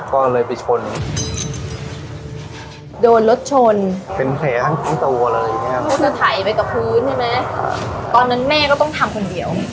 ก็เลยมาคุยเพราะว่าเปิดอีกสักร้านหนึ่งไหมกับพี่อย่างนี้